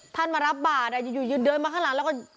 ท่านมารับบ้านอะอยู่อย่าเดินมาข้างลังแล้วก็